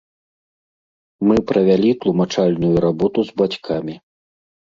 Мы правялі тлумачальную работу з бацькамі.